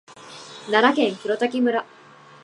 奈良県黒滝村